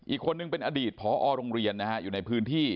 อีกคนนึงเป็นอดีตพอโรงเรียนนะฮะอยู่ในพื้นที่